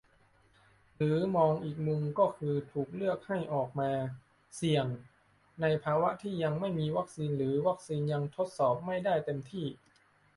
หรือมองอีกมุมก็คือ ถูกเลือกให้ออกมา "เสี่ยง" ในภาวะที่ยังไม่มีวัคซีนหรือวัคซีนยังทดสอบไม่ได้เต็มที่